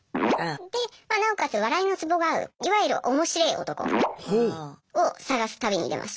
でなおかつ笑いのツボが合ういわゆるおもしれー男を探す旅に出ました。